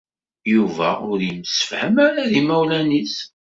Yuba ur yemsefham ara d yimawlan-is.